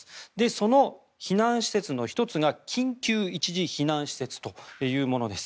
その避難施設の１つが緊急一時避難施設というものです。